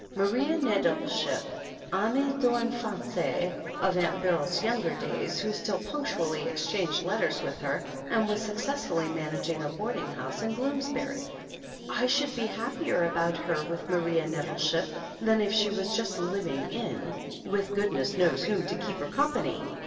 Maria Nettleship, the amie d'enfance of Aunt Beryl's younger days, who still punctually ex changed letters with her, and was successfully manag ing a boarding house in BloomsWry. "I should be happier about her with Maria Nettle ship than if she was just living in' with goodness knows whom to keep her company.